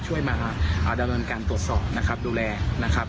ช่วยมาดำเนินการตรวจสอบนะครับดูแลนะครับ